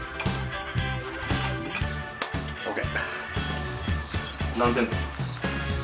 ＯＫ！